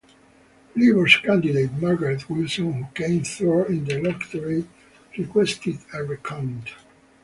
Labour's candidate Margaret Wilson, who came third in the electorate, requested a recount.